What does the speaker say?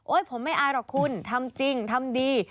ผมไม่อายหรอกคุณทำจริงทำดี